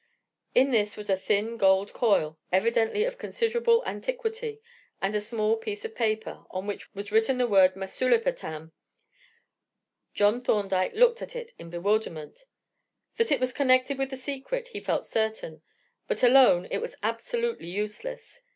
In this was a thin gold coin, evidently of considerable antiquity, and a small piece of paper, on which was written the word "Masulipatam." John Thorndyke looked at it in bewilderment; that it was connected with the secret he felt certain, but alone it was absolutely useless.